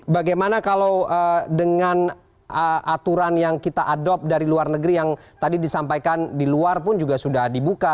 bagaimana kalau dengan aturan yang kita adopt dari luar negeri yang tadi disampaikan di luar pun juga sudah dibuka